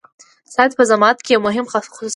صحت په زعامت کې يو مهم خصوصيت دی.